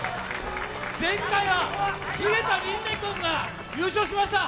前回は菅田琳寧君が優勝しました。